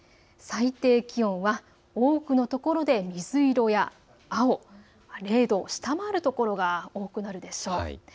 最低気温は多くの所で水色や青、０度を下回る所が多くなるでしょう。